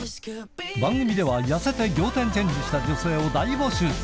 番組では、痩せて仰天チェンジした女性を大募集。